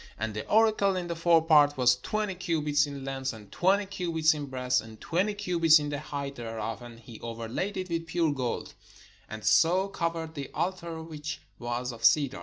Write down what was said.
And the oracle in the forepart was twenty cubits in length, and twenty cubits in breadth, and twenty cubits in the height thereof: and he overlaid it with pure gold; and so covered the altar which was of cedar.